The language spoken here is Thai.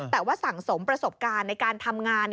แต่ว่าสั่งสมประสบการณ์ในการทำงาน